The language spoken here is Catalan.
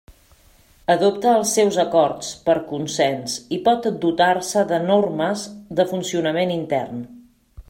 Adopta els seus acords per consens i pot dotar-se de normes de funcionament intern.